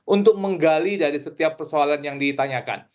untuk menggali dari setiap persoalan yang ditanyakan